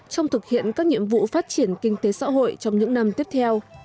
trong thực hiện các nhiệm vụ phát triển kinh tế xã hội trong những năm tiếp theo